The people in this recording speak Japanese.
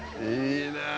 いいね。